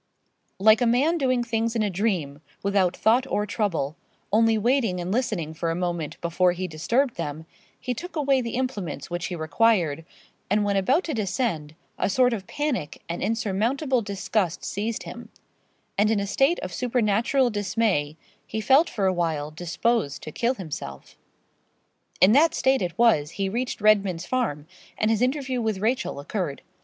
Like a man doing things in a dream, without thought or trouble, only waiting and listening for a moment before he disturbed them, he took away the implements which he required; and when about to descend, a sort of panic and insurmountable disgust seized him; and in a state of supernatural dismay, he felt for a while disposed to kill himself. In that state it was he reached Redman's Farm, and his interview with Rachel occurred.